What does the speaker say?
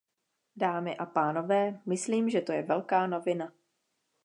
Dámy a pánové, myslím, že to je velká novina.